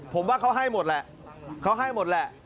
ผมว่าเขาให้หมดแหละเขาให้หมดแหละ